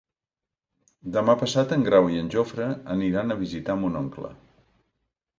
Demà passat en Grau i en Jofre aniran a visitar mon oncle.